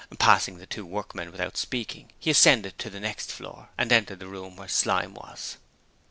Passing the two workmen without speaking, he ascended to the next floor, and entered the room where Slyme was.